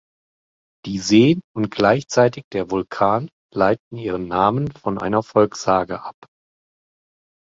Die Seen und gleichzeitig der Vulkan leiten ihren Namen von einer Volkssage ab.